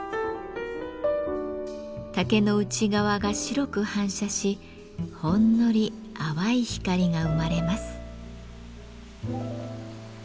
竹の内側が白く反射しほんのり淡い光が生まれます。